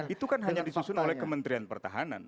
itu kan hanya disusun oleh kementerian pertahanan